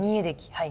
はい。